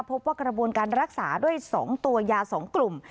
พบว่ากระบวนการรักษาด้วย๒ตัวยา๒กลุ่ม